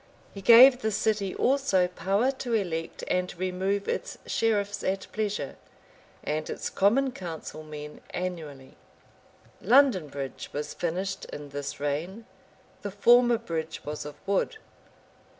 He gave the city also power to elect and remove its sheriffs at pleasure, and its common council men annually. London bridge was finished in this reign: the former bridge was of wood.